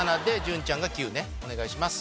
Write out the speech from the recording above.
お願いします